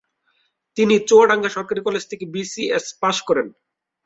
তিনি চুয়াডাঙ্গা সরকারী কলেজ থেকে বিএসসি পাস করেন।